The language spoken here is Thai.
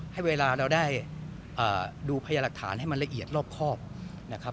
ให้เวลาเราได้ดูพยาหลักฐานให้มันละเอียดรอบครอบนะครับ